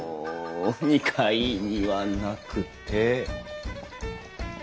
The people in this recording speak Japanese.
２階にはなくて。